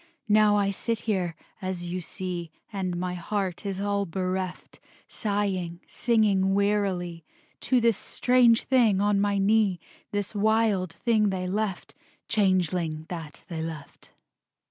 Now I sit here, as you see, And my heart is all bereft, Sighing, singing wearily To this strange thing on my knee, This wild thing they left, Changeling that they left.